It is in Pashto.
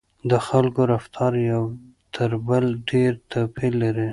د خلکو رفتار یو تر بل ډېر توپیر لري.